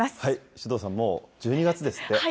首藤さん、もう１２月ですって。